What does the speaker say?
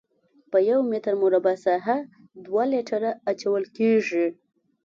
په یو متر مربع ساحه دوه لیټره اچول کیږي